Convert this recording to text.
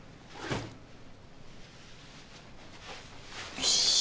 よし。